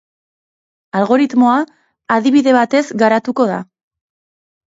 Algoritmoa adibide batez garatuko da.